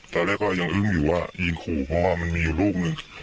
ก็ยังอุ้มอยู่ว่ามีขู่เพราะว่ามันมีอยู่รูปหนึ่ง